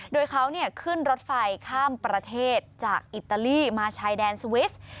โดยเขาขึ้นรถไฟข้ามประเทศจากอิตาลีมาชายแดนสวิส